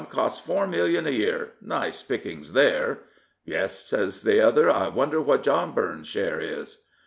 Costs four millions a year. Nice pickings there." Yes," said the other. " I wonder what John Burns* share is."